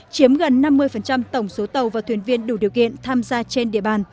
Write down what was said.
chiếm gần năm mươi tổng số tàu và thuyền viên đủ điều kiện tham gia trên địa bàn